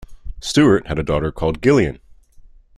Stewart had a daughter called Gillian.